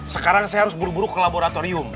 sekarang saya harus buru buru ke laboratorium